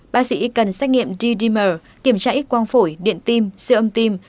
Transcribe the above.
bác sĩ cần xét nghiệm d dimer kiểm tra ít quang phổi điện tim siêu âm tim